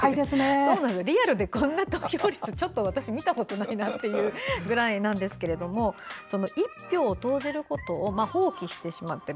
リアルでこんな投票率はちょっと見たことないぐらいですが１票を投じることを放棄してしまってる